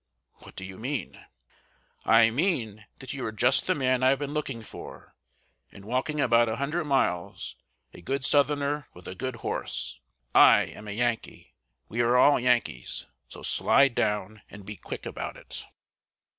"What do you mean?" "I mean that you are just the man I have been looking for, in walking about a hundred miles a good Southerner with a good horse! I am a Yankee; we are all Yankees; so slide down, and be quick about it."